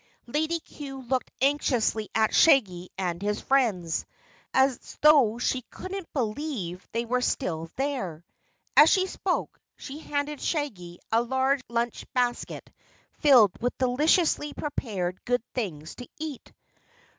Lady Cue looked anxiously at Shaggy and his friends, as though she couldn't believe they were still there. As she spoke, she handed Shaggy a large lunch basket filled with deliciously prepared good things to eat.